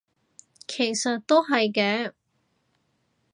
其實係嘅